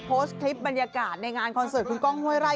โพสต์คลิปบรรยากาศในงานคอนเสิร์ตคุณก้องห้วยไร่